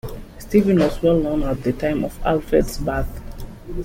Stephen was well known at the time of Alfred's birth.